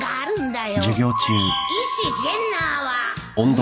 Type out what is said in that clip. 医師ジェンナーはん？